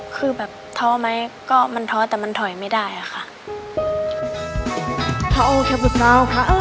คือแบบท้อมั้ยก็มันท้อแต่มันถอยไม่ได้อะค่ะ